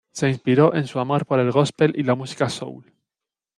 Se inspiró en su amor por el gospel y la música soul.